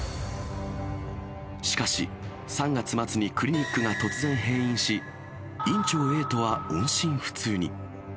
しかし、３月末にクリニックが突然閉院し、院長Ａとは音信不通に。